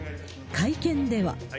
会見では。